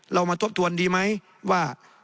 เรามาทบทวนดีไหมว่า